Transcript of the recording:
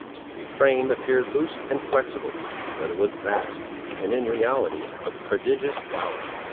His frame appeared loose and flexible; but it was vast, and in reality of prodigious power.